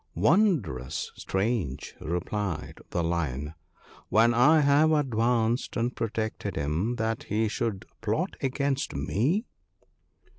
' Wondrous strange !' replied the Lion ;' when I have advanced and protected him that he should plot against me